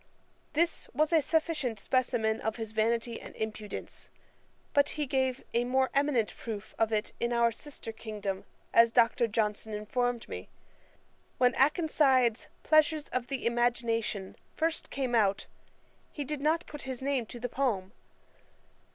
This was a sufficient specimen of his vanity and impudence. But he gave a more eminent proof of it in our sister kingdom, as Dr. Johnson informed me. When Akenside's Pleasures of the Imagination first came out, he did not put his name to the poem.